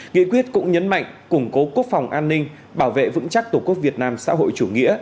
nghị quyết cũng nhấn mạnh củng cố quốc phòng an ninh bảo vệ vững chắc tổ quốc việt nam xã hội chủ nghĩa